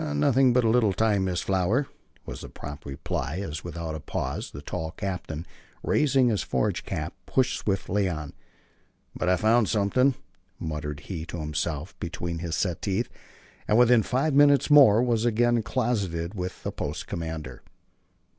"Nothing but a little time, Miss Flower," was the prompt reply as, without a pause, the tall captain, raising his forage cap, pushed swiftly on. "But I've found something," muttered he to himself, between his set teeth, and within five minutes more was again closeted with the post commander.